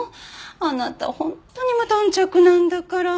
あなた本当に無頓着なんだから。